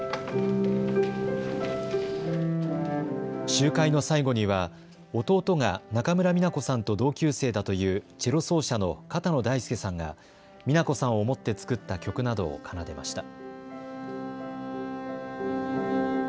集会の最後には弟が中村三奈子さんと同級生だというチェロ奏者の片野大輔さんが三奈子さんを思って作った曲などを奏でました。